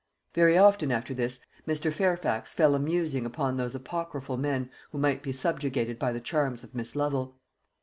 Very often after this Mr. Fairfax fell a musing upon those apocryphal men who might be subjugated by the charms of Miss Lovel.